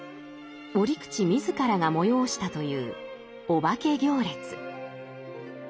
折口自らが催したというお化け行列。